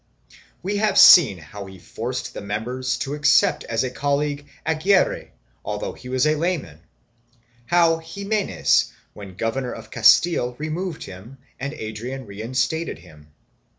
2 We have seen how he forced the members to accept as a colleague Aguirre though he was a layman, how Ximenes when governor of Castile removed him and Adrian reinstated him.